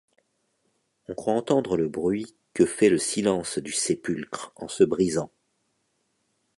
On croit entendre le bruit que fait le silence du sépulcre en se brisant.